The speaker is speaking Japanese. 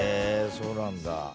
そうなんだ。